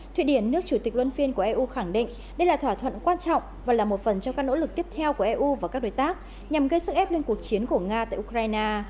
thụy điển nước chủ tịch luân phiên của eu khẳng định đây là thỏa thuận quan trọng và là một phần trong các nỗ lực tiếp theo của eu và các đối tác nhằm gây sức ép lên cuộc chiến của nga tại ukraine